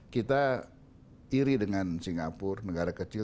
kita iri dengan singapura negara kecil